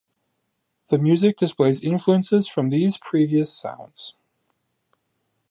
The music displays influences from these previous sounds.